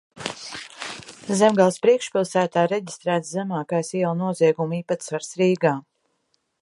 Zemgales priekšpilsētā reģistrēts zemākais ielu noziegumu īpatsvars Rīgā.